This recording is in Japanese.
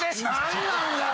何なんだよ